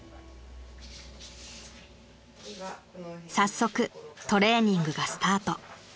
［早速トレーニングがスタート］